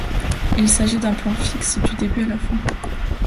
Il s'agit d'un plan fixe du début à la fin.